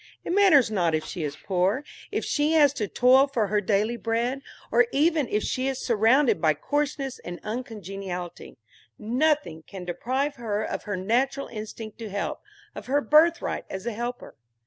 It matters not if she is poor, if she has to toil for her daily bread, or even if she is surrounded by coarseness and uncongeniality: nothing can deprive her of her natural instinct to help, of her birthright as a helper.